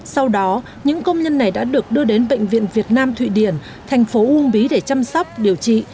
sau đó những công nhân này đã được đưa đến bệnh viện việt nam thụy điển thành phố uông bí để chăm sóc điều trị